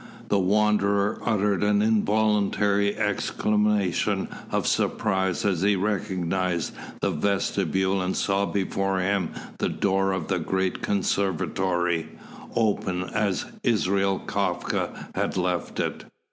The Wanderer uttered an involuntary exclamation of surprise as he recognised the vestibule and saw before him the door of the great conservatory, open as Israel Kafka had left it.